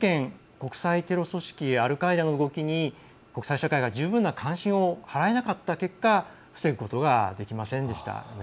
国際テロ組織アルカイダの動きに国際社会が十分な関心を払えなかった結果防ぐことができませんでした。